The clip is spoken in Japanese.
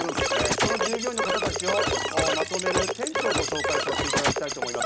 その従業員をまとめる店長をご紹介させていただきたいと思います。